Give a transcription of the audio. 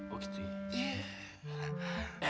oh gitu ya